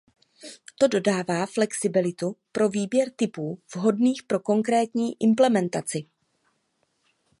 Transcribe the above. To dodává flexibilitu pro výběr typů vhodných pro konkrétní implementaci.